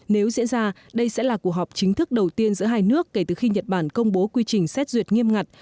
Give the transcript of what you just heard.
nếu diễn ra đây sẽ là cuộc họp chính thức đầu tiên giữa hai nước kể từ khi nhật bản công bố quy trình xét duyệt nghiêm ngặt